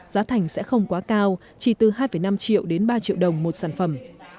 giá thành sẽ không quá cao chỉ từ hai năm triệu đến ba triệu đồng một sản phẩm